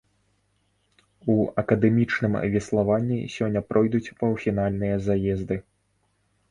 У акадэмічным веславанні сёння пройдуць паўфінальныя заезды.